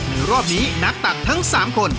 ในรอบนี้นักตัดทั้งสามคน